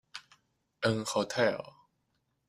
An hotel.